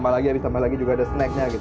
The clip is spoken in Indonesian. habis tambah lagi juga ada snacknya